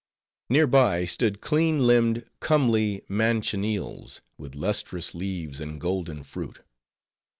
Near by stood clean limbed, comely manchineels, with lustrous leaves and golden fruit.